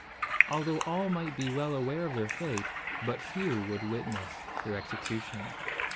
Although all might be well aware of their fate, but few would witness their execution.